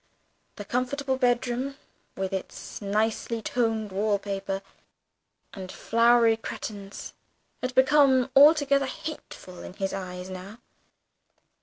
The comfortable bedroom, with its delicately toned wall paper and flowery cretonnes, had become altogether hateful in his eyes now.